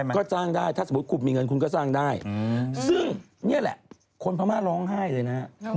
เพราะฉะนั้นเมื่อพุทธศาสนาเข้ามาใหม่นี้